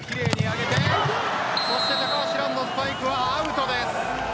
高橋藍のスパイクはアウトです。